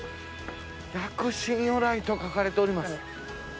「薬師如来」と書かれております。